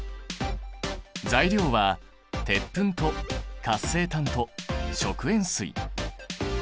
材料は鉄粉と活性炭と食塩水。